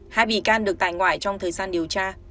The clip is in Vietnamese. hai bị can được tại ngoại trong thời gian điều tra